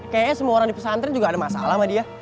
kayaknya semua orang di pesantren juga ada masalah sama dia